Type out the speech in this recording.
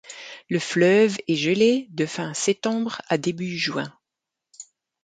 Le fleuve est gelé de fin septembre à début juin.